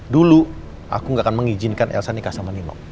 dulu aku gak akan mengizinkan elsa nikah sama nino